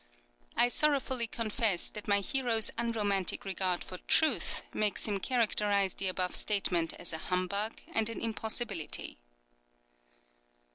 I sorrowfully confess that my hero's unromantic regard for truth makes him characterize the above statement as a humbug and an impossibility.